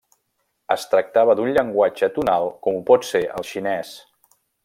Es tractava d'un llenguatge tonal com ho pot ser el xinès.